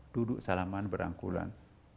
duduk salaman berangkulan